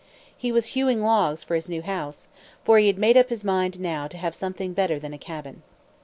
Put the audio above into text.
He was hewing logs for his new house; for he had made up his mind, now, to have something better than a cabin.